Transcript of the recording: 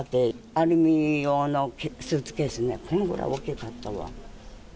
アルミ様のスーツケースね、このぐらい大きかったわ。